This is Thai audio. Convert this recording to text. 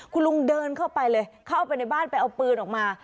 คุณลุงเดินเข้าไปเลยเข้าไปในบ้านไปเอาปืนออกมา